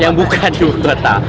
yang bukan ibukota